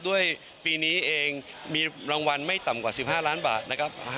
ด้วยปีนี้เองมีรางวัลไม่ต่ำกว่า๑๕ล้านบาทนะครับ